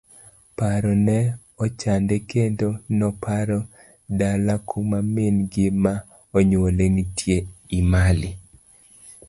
Paro ne ochande kendo noparo dala kuma min gi ma onyuole nitie, Emali.